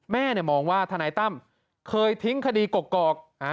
มองว่าทนายตั้มเคยทิ้งคดีกอก